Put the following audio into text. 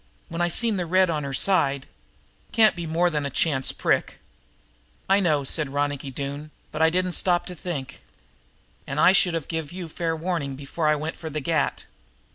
When I seen the red on her side " "Can't be more than a chance prick." "I know," said Ronicky, "but I didn't stop to think." "And I should of give you fair warning before I went for the gat."